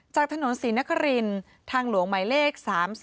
จากถนนศรีนครินทางหลวงหมายเลข๓๒